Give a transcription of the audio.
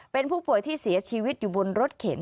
เป็นผู้ป่วยที่เสียชีวิตอยู่บนรถเข็น